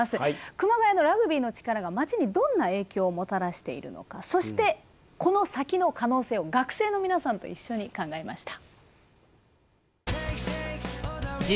熊谷のラグビーの力が街にどんな影響をもたらしているのかそしてこの先の可能性を学生の皆さんと一緒に考えました。